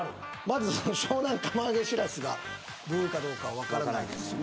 まず湘南釜揚げしらすがブーかどうか分からないですしね